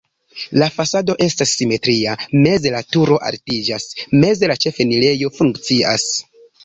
La fasado estas simetria, meze la turo altiĝas, meze la ĉefenirejo funkcias.